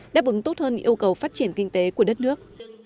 đáp ứng tốt hơn yêu cầu phát triển kinh tế của đất nước